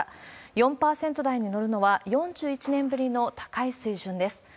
４％台に乗るのは４１年ぶりの高い水準です。